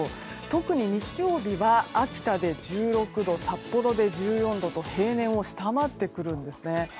特に日曜日は秋田で１６度、札幌で１４度と平年を下回ってくるんですね。